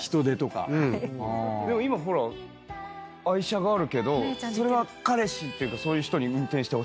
今愛車があるけど彼氏っていうかそういう人に運転してほしいのか